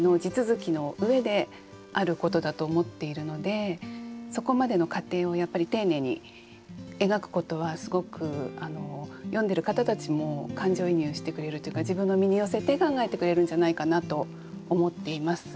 例えばそこまでの過程をやっぱり丁寧に描くことはすごく読んでる方たちも感情移入してくれるというか自分の身に寄せて考えてくれるんじゃないかなと思っています。